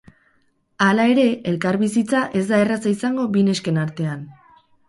Hala ere, elkarbizitza ez da erraza izango bi nesken artean.